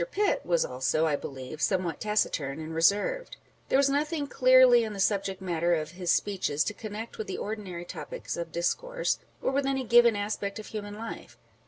Pitt was also, I believe, somewhat taciturn and reserved. There was nothing clearly in the subject matter of his speeches to connect with the ordinary topics of discourse, or with any given aspect of human life.